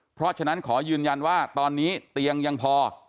เพราะฉะนั้นขอยืนยันว่าตอนนี้เตียงยังพอ